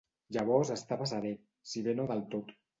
Llavors estava serè, si bé no del tot.